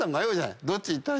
どっち行ったらいいか。